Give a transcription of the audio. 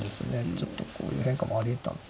ちょっとこういう変化もありえたのか。